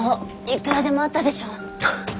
いくらでもあったでしょう。